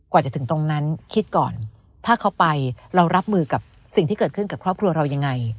จะถึงตรงนั้นคิดก่อนถ้าเขาไปเรารับมือกับสิ่งที่เกิดขึ้นกับครอบครัวเรายังไง